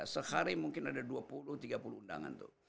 sehari mungkin ada dua puluh tiga puluh undangan tuh